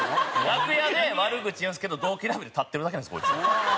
楽屋で悪口言うんですけど同期ライブで立ってるだけなんですこいつ。